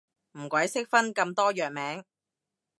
唔鬼識分咁多藥名